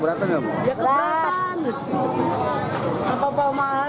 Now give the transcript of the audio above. bitar empat puluh persen kan lah